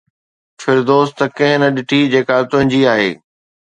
فردوس ته ڪنهن نه ڏٺي جيڪا تنهنجي آهي